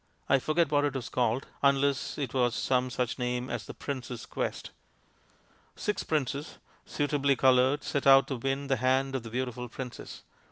I forget what it was called, unless it was some such name as "The Prince's Quest." Six princes, suitably coloured, set out to win the hand of the beautiful princess.